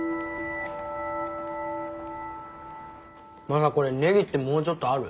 マサこれネギってもうちょっとある？